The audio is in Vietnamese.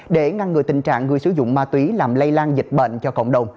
để ngăn ngừa tình trạng người sử dụng ma túy làm lây lan dịch bệnh cho cộng đồng